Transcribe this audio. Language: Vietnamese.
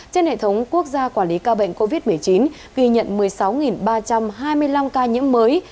trên hệ thống quốc gia quản lý ca bệnh covid một mươi chín ghi nhận một mươi sáu ba trăm hai mươi năm ca nhiễm mới